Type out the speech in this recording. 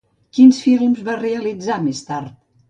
Quins films va realitzar més tard?